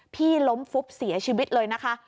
พี่ล้มฟุบเสียชีวิตเลยนะคะ